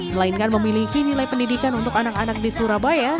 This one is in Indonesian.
melainkan memiliki nilai pendidikan untuk anak anak di surabaya